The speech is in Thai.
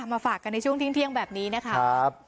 มาฝากกันในช่วงเที่ยงแบบนี้นะคะ